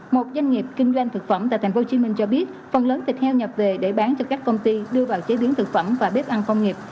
một doanh nghiệp kinh doanh thực phẩm tại tp hcm cho biết phần lớn thịt heo nhập về để bán cho các công ty đưa vào chế biến thực phẩm và bếp ăn công nghiệp